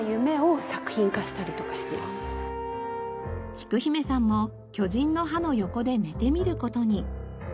きく姫さんも巨人の歯の横で寝てみる事に。